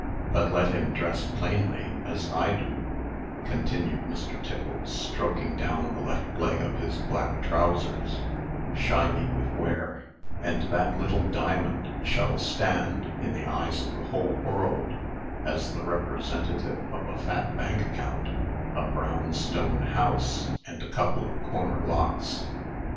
But let him dress plainly, as I do," continued Mr. Tiffles, stroking down the left leg of his black trowsers, shiny with wear, "and that little diamond shall stand, in the eyes of the whole world, as the representative of a fat bank account, a brown stone house, and a couple of corner lots."